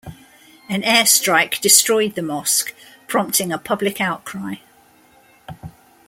An airstrike destroyed the mosque, prompting a public outcry.